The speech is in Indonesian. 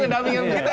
kedamping begitu enak